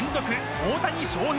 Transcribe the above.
大谷翔平